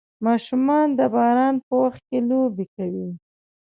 ماشومان د باران په وخت کې لوبې کوي.